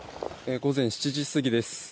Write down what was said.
午前７時過ぎです。